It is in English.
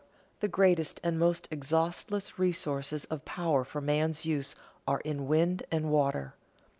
_The greatest and most exhaustless reservoirs of power for man's use are in wind and water.